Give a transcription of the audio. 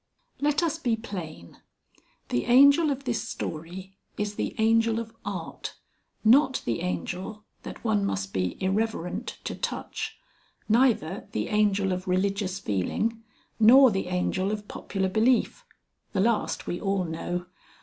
IX. Let us be plain. The Angel of this story is the Angel of Art, not the Angel that one must be irreverent to touch neither the Angel of religious feeling nor the Angel of popular belief. The last we all know.